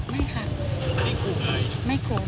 ไม่ค่ะ